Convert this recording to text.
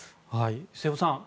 瀬尾さん